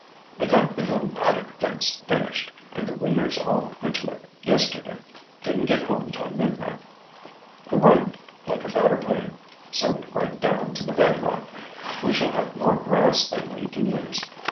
"I got the hill paddock fence finished and the weaners all into it yesterday. Didn't get home till midnight. "The run like a batter pudding, soaked right down to the bed rock. We shall have more grass than we can use.